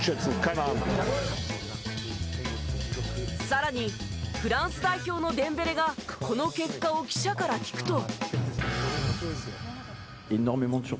更にフランス代表のデンベレがこの結果を記者から聞くと。